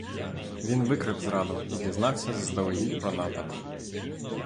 Він викрив зраду і дізнався заздалегідь про напад.